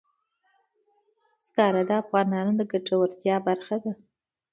زغال د افغانانو د ګټورتیا برخه ده.